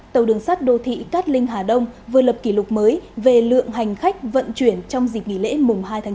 tàu đường sát đô thị cát linh hà đông vừa lập kỷ lục mới về lượng hành khách vận chuyển trong dịp nghỉ lễ mùng hai tháng chín